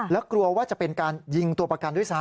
แล้วกลัวว่าจะเป็นการยิงตัวประกันด้วยซ้